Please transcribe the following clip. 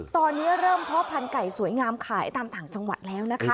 ตอนนี้เริ่มเพาะพันธุไก่สวยงามขายตามต่างจังหวัดแล้วนะคะ